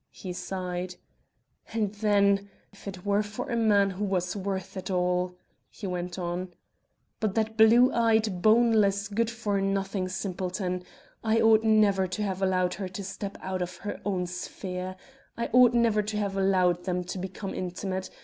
he sighed. "And then if it were for a man who was worth it all!" he went on. "But that blue eyed, boneless, good for nothing simpleton!... I ought never to have allowed her to step out of her own sphere I ought never to have allowed them to become intimate!